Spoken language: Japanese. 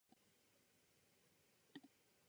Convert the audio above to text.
長野県麻績村